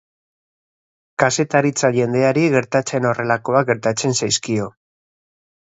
Kazetaritza jendeari gertatzen horrelakoak gertatzen zaizkio.